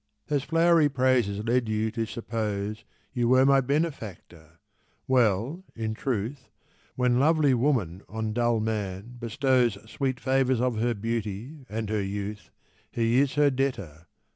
Those flowery praises led you to suppose You were my benefactor. Well, in truth, When lovely woman on dull man bestows Sweet favours of her beauty and her youth, He is her debtor.